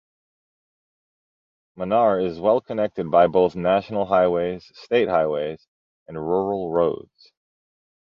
Munnar is well connected by both National highways, state highways and rural roads.